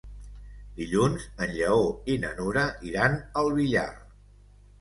Dilluns en Lleó i na Nura iran al Villar.